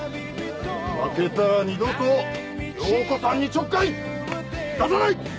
負けたら二度と遼子さんにちょっかい出さない。